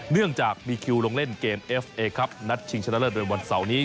เนื่องจากมีคิวลงเล่นเกมเอฟเอครับนัดชิงชนะเลิศโดยวันเสาร์นี้